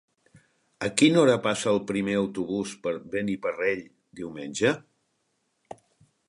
A quina hora passa el primer autobús per Beniparrell diumenge?